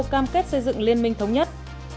cam kết xây dựng liên minh thống nhất